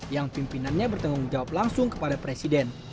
yang pimpinannya bertanggung jawab langsung kepada presiden